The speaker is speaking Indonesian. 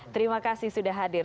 terima kasih sudah hadir